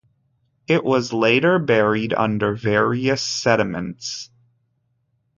It was later buried under various sediments.